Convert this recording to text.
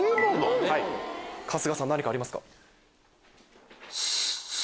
春日さん何かありますか？